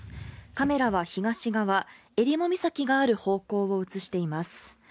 カメラは東側、襟裳岬のある方向を映しています。